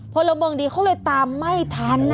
พลเมืองดีเขาเลยตามไม่ทัน